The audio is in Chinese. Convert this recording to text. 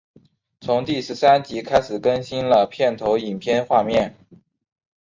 从第十三集开始更新了片头影片画面。